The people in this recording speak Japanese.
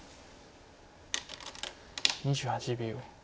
２８秒。